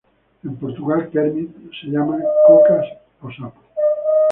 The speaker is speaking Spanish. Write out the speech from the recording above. En Portugal, Kermit es llamado "Cocas o Sapo".